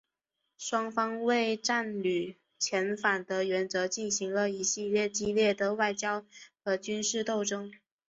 双方为战俘遣返的原则进行了一系列激烈的外交和军事斗争。